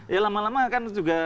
ya lama lama kan juga